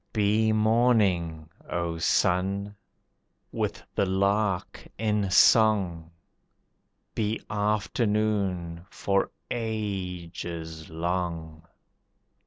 Be morning, O Sun! with the lark in song, Be afternoon for ages long.